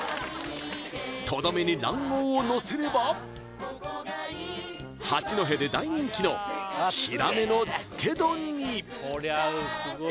とどめに卵黄をのせれば八戸で大人気のヒラメの漬け丼に！